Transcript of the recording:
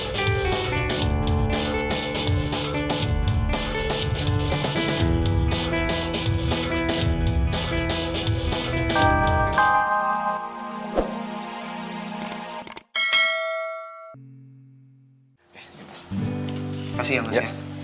terima kasih ya mas